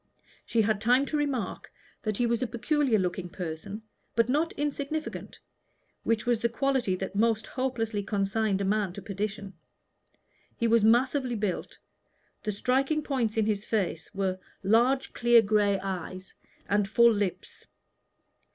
She had time to remark that he was a peculiar looking person, but not insignificant, which was the quality that most hopelessly consigned a man to perdition. He was massively built. The striking points in his face were large clear gray eyes and full lips.